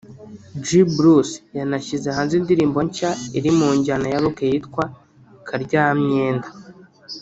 G-Bruce yanashyize hanze indirimbo nshya iri mu njyana ya Rock yitwa “Karyamyenda”